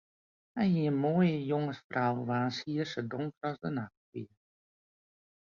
Hy hie in moaie, jonge frou waans hier sa donker as de nacht wie.